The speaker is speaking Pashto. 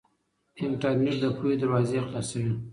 انټرنيټ د پوهې دروازې خلاصوي.